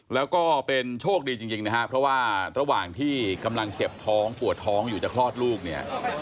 แล้วก็เป็นโชคดีจริงนะครับเพราะว่าระหว่างที่กำลังเจ็บท้องปวดท้องอยู่จะคลอดลูกเนี่ย